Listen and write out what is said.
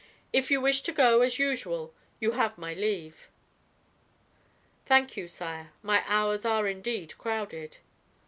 "If you wish to go, as usual, you have my leave." "Thank you, sire; my hours are indeed crowded."